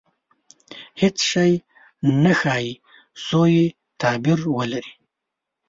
• هېڅ شی نه ښایي، سوء تعبیر ولري.